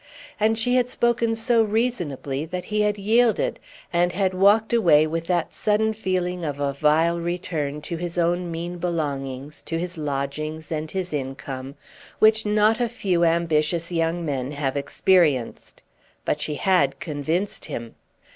And she had spoken so reasonably, that he had yielded, and had walked away with that sudden feeling of a vile return to his own mean belongings, to his lodgings, and his income, which not a few ambitious young men have experienced. But she had convinced him.